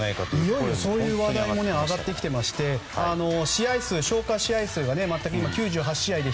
いよいよそういう話題も上がってきていまして消化試合数が今９８試合で